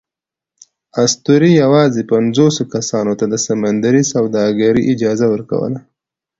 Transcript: اسطورې یواځې پینځوسوو کسانو ته د سمندري سوداګرۍ اجازه ورکوله.